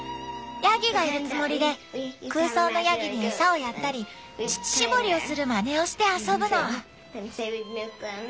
ヤギがいるつもりで空想のヤギに餌をやったり乳搾りをするまねをして遊ぶの。